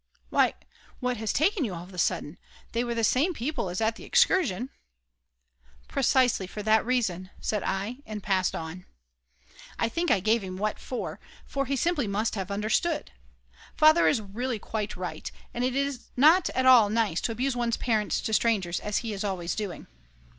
Why, what has taken you all of a sudden? They were the same people as at the excursion! "Precisely for that reason," said I, and passed on. I think I gave him what for, for he simply must have understood. Father is really quite right, and it is not at all nice to abuse one's parents to strangers as he is always doing.